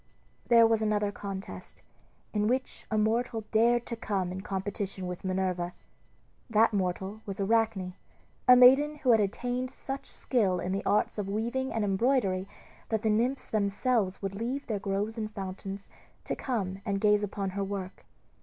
There was another contest, in which a mortal dared to come in competition with Minerva. That mortal was Arachne, a maiden who had attained such skill in the arts of weaving and embroidery that the nymphs themselves would leave their groves and fountains to come and gaze upon her work.